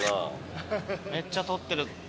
めっちゃ撮ってる。